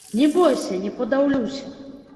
Не бойся, не падаўлюся!